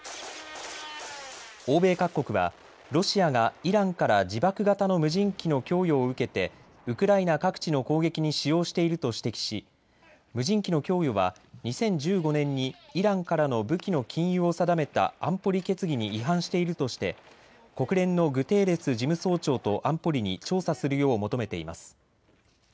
欧米各国はロシアがイランから自爆型の無人機の供与を受けてウクライナ各地の攻撃に使用していると指摘し無人機の供与は２０１５年にイランからの武器の禁輸を定めた安保理決議に違反しているとして国連のグテーレス事務総長と安保理に調査するよう求めています。